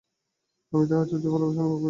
আমি তাঁহার আশ্চর্য ভালবাসা অনুভব করিয়াছি।